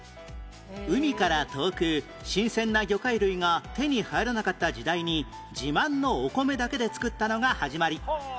海から遠く新鮮な魚介類が手に入らなかった時代に自慢のお米だけで作ったのが始まり